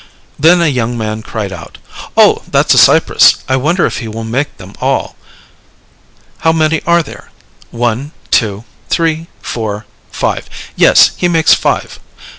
Then a young man cried out: "O, that's a cypress! I wonder if he will make them all, how many are there? One, two, three, four, five, yes, he makes five!"